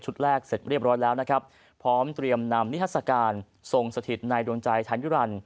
แรกเสร็จเรียบร้อยแล้วนะครับพร้อมเตรียมนำนิทัศกาลทรงสถิตในดวงใจชายุรันดิ